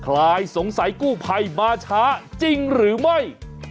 ลายสงสัยกู้ภัยมาช้าจริงหรือไม่